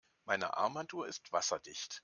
Meine Armbanduhr ist wasserdicht.